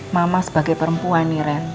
mama sebagai perempuan nih ren